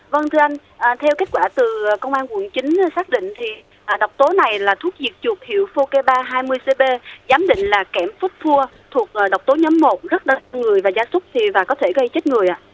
vâng thưa anh theo kết quả từ công an quận chín xác định thì độc tố này là thuốc diệt chuột hiệu bốn k ba hai mươi cb giám định là kẻm phút thua thuộc độc tố nhóm một rất đắt người và gia súc và có thể gây chết người ạ